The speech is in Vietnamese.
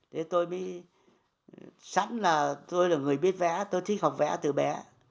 thế tôi mới sẵn là tôi là người biết vẽ tôi thích học vẽ từ bé